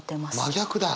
真逆だ！